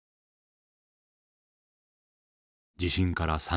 地震から３時間。